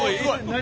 何？